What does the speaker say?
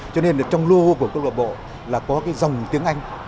cho nên trong lô của cộng đồng bộ là có dòng tiếng anh